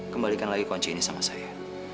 kembalikan lagi kunci ini sama saya